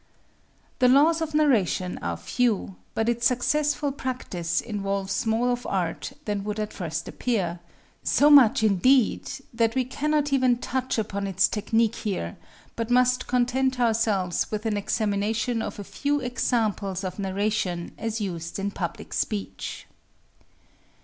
The laws of narration are few, but its successful practise involves more of art than would at first appear so much, indeed, that we cannot even touch upon its technique here, but must content ourselves with an examination of a few examples of narration as used in public speech.